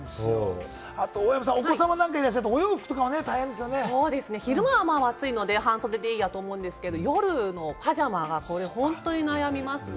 あと大山さん、お子様なんかいらっしゃる昼間は暑いので半袖でいいやと思うんですけれども、夜、パジャマが本当に悩みますね。